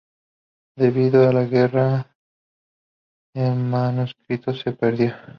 Debido a la guerra el manuscrito se perdió.